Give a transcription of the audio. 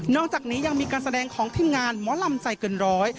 จากนี้ยังมีการแสดงของทีมงานหมอลำใจเกินร้อย